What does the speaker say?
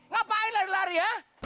ngapain lari lari ha